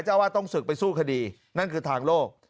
เจ้าอาวาสต้องศึกไปสู้คดีนั่นคือทางโลก